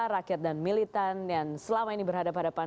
rakyat dan militan yang selama ini berhadapan hadapan